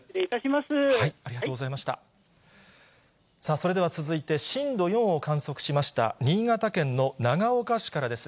それでは続いて、震度４を観測しました、新潟県の長岡市からです。